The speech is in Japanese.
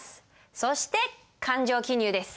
そして勘定記入です。